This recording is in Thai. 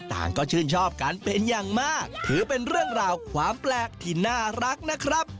ต่างก็ชื่นชอบกันเป็นอย่างมากถือเป็นเรื่องราวความแปลกที่น่ารักนะครับ